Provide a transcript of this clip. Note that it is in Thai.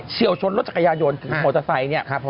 เฉียวชนรถจักรยานโยนคือมอเตอร์ไซค์นี้